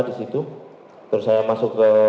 disitu terus saya masuk ke